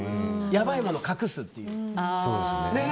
やばい、今の隠すっていう。